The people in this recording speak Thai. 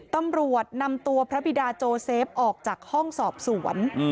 ตำรวจนำตัวพระบิดาโจเซฟออกจากห้องสอบสวน